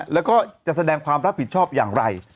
แล้วก็จะแสดงความรับผิดชอบอย่างไร